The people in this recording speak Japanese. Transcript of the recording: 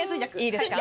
いいですか？